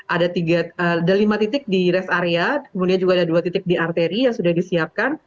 ada lima titik di rest area kemudian juga ada dua titik di arteri yang sudah disiapkan